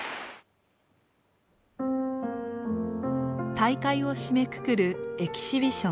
大会を締めくくるエキシビション。